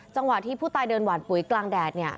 จังหวะที่ผู้ตายเดินหวานปุ๋ยกลางแดดเนี่ย